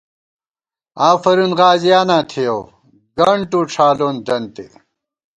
آفرین غازیاناں تھِیَؤ ، گنٹ وڄھالون دنتے